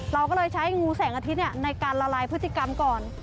เราก็เลยใช้งูแสงอาทิตย์ในการละลายพฤติกรรมก่อน